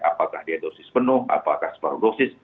apakah dia dosis penuh apakah spagosis